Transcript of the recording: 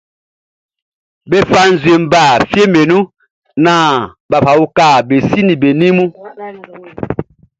Be fa nzue ba fieʼm be nun naan be fa uka be si ni be ni mun.